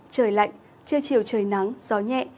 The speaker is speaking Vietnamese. trời lạnh trưa chiều trời nắng gió nhẹ